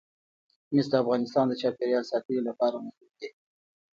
مس د افغانستان د چاپیریال ساتنې لپاره مهم دي.